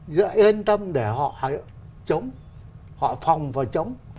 dựa yên tâm để họ chống họ phòng và chống